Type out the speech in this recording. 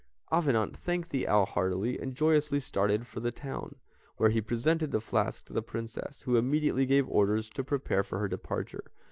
Avenant thanked the owl heartily, and joyously started for the town, where he presented the flask to the Princess, who immediately gave orders to prepare for her departure.